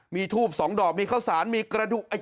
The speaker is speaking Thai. มีทูบ๒ดอกมีข้าวสารมีกระดูก